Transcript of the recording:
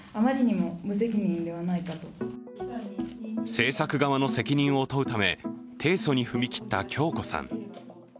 制作側の責任を問うため提訴に踏み切った響子さん。